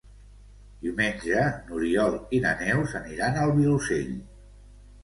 Diumenge n'Oriol i na Neus aniran al Vilosell.